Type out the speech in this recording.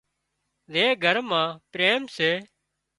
زي گھر مان پريم سي